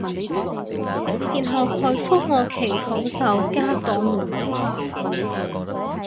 然後佢覆我祈禱手加朵玫瑰花